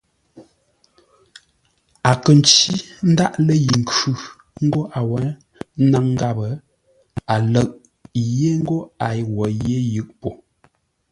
A kə̂ ncí ndáʼ lə́ yi nkhʉ̂ ńgó a wó ńnáŋ gháp, a lə̂ʼ yé ńgó a wo yé yʉʼ po.